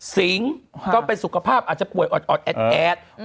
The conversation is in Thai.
สิงก็เป็นสุขภาพอาจจะป่วยออดแอด